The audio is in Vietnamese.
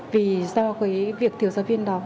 vì do cái việc thiếu giáo viên đó